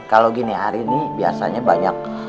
kalau gini hari ini biasanya banyak